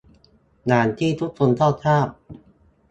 อย่างที่ทุกท่านก็ทราบ